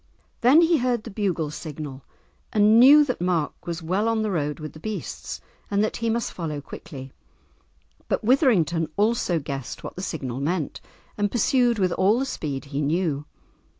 Then he heard the bugle signal, and knew that Mark was well on the road with the beasts, and that he must follow quickly. But Withrington also guessed what the signal meant, and pursued with all the speed he knew.